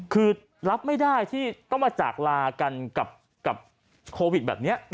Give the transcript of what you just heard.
คือรับไม่ได้ที่ต้องมาจากลากันกับโควิดแบบนี้